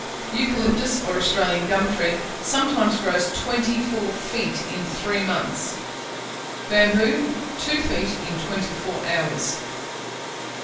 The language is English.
Eucalyptus, or Australian gum tree, sometimes grows twenty four feet in three months: bamboo, two feet in twenty four hours.